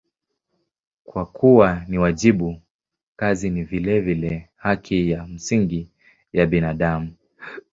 Kwa kuwa ni wajibu, kazi ni vilevile haki ya msingi ya binadamu.